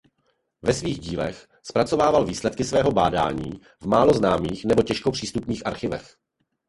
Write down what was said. Ve svých dílech zpracovával výsledky svého bádání v málo známých nebo těžko přístupných archivech.